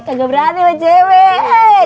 kagak berani sama cewek